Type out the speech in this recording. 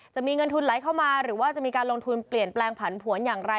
จะมีเงินทุนไหลเข้ามาหรือว่าจะมีการลงทุนเปลี่ยนแปลงผันผวนอย่างไร